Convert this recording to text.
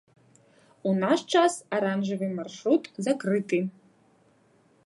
У наш час аранжавы маршрут закрыты.